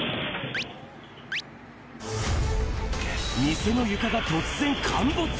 店の床が突然陥没。